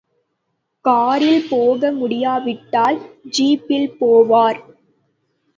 காரில் போக முடியாவிட்டால் ஜீப்பில் போவார்.